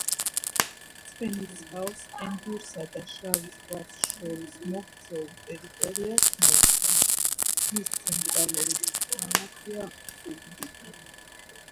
ცხენისწყალს, ენგურსა და შავ ზღვას შორის მოქცეულ ტერიტორიას მოიცავს. მისი ცენტრალური ქალაქია ზუგდიდი.